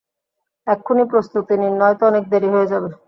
এক্ষুনি প্রস্তুতি নিন নয়তো অনেক দেরি হয়ে যাবে!